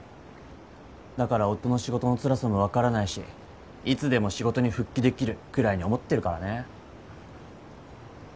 だから夫の仕事のつらさも分からないしいつでも仕事に復帰できるくらいに思ってるからね